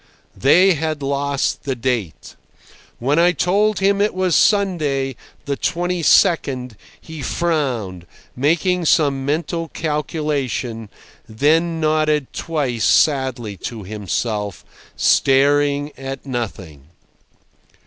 They had lost the date. When I told him it was Sunday, the 22nd, he frowned, making some mental calculation, then nodded twice sadly to himself, staring at nothing.